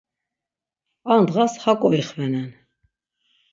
Ar ndğas haǩo ixenen.